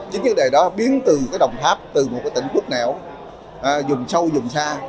chính vấn đề đó biến từ đồng tháp từ một tỉnh khuất nẻo dùng sâu dùng xa